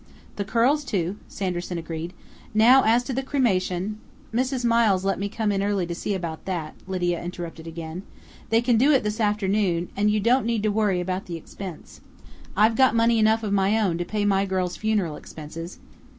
"The curls, too," Sanderson agreed. "Now as to the cremation " "Mrs. Miles let me come in early to see about that," Lydia interrupted again. "They can do it this afternoon, and you don't need to worry about the expense. I've got money enough of my own to pay my girl's funeral expenses."